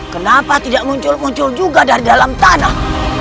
kenapa tidak muncul muncul juga dari dalam tanah